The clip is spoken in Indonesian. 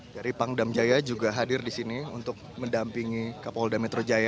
jadi pang damjaya juga hadir disini untuk mendampingi kapolda metro jaya